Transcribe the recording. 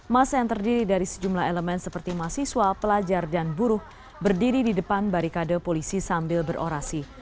masa yang terdiri dari sejumlah elemen seperti mahasiswa pelajar dan buruh berdiri di depan barikade polisi sambil berorasi